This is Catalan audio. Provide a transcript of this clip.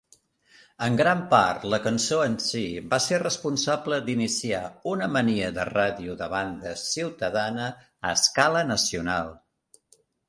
En gran part, la cançó en si va ser responsable d'iniciar una mania de ràdio de banda ciutadana a escala nacional.